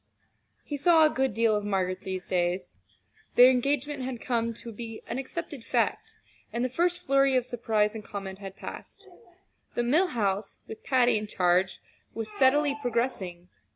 He saw a good deal of Margaret these days. Their engagement had come to be an accepted fact, and the first flurry of surprise and comment had passed. The Mill House, with Patty in charge, was steadily progressing.